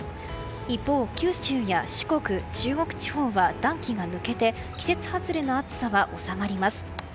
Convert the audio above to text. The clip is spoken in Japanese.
一方、九州や四国・中国地方は暖気が抜けて季節外れの暑さは収まります。